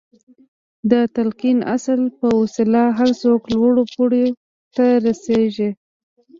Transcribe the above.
د تلقين اصل په وسيله هر څوک لوړو پوړيو ته رسېږي.